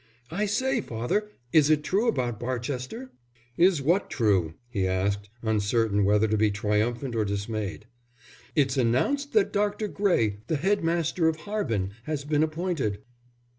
"I say, father, is it true about Barchester?" "Is what true?" he asked, uncertain whether to be triumphant or dismayed. "It's announced that Dr. Gray, the headmaster of Harbin, has been appointed."